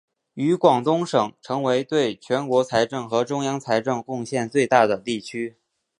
与广东省成为对全国财政和中央财政贡献最大的地区。